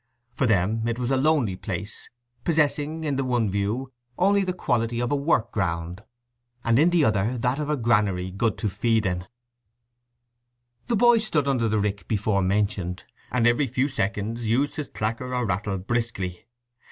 For them it was a lonely place, possessing, in the one view, only the quality of a work ground, and in the other that of a granary good to feed in. The boy stood under the rick before mentioned, and every few seconds used his clacker or rattle briskly.